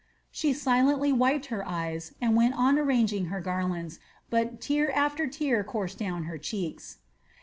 She silently wiped her eyes and went on arranging her garlands, but tear after tear coursed down her cheeks.